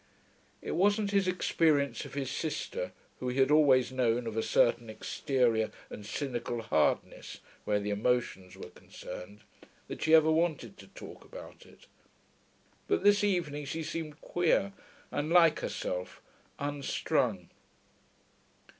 It wasn't his experience of his sister, who he had always known of a certain exterior and cynical hardness where the emotions were concerned, that she ever wanted to 'talk about it.' But this evening she seemed queer, unlike herself, unstrung.